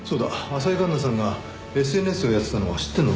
浅井環那さんがＳＮＳをやってたのは知ってるのか？